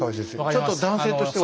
ちょっと男性として。